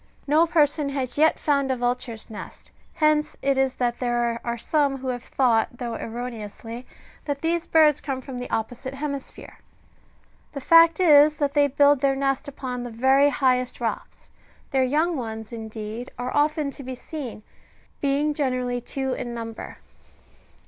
No person has yet found a vulture's nest : hence it is that there are some who have thought, though erroneously, that these birds come from the opposite heraisphere.^^ The fact is, that they build their nest upon the very highest rocks ; their young ones, indeed, are often to be seen, being generally two in number.